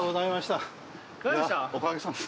おかげさまで。